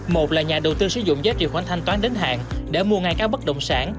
một là nhà đầu tư sử dụng giá trị khoản thanh toán đến hạn để mua ngay các bất động sản